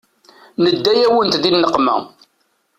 Nedda-yawent di nneqma.